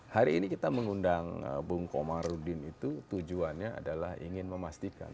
hari ini kita mengundang bung komarudin itu tujuannya adalah ingin memastikan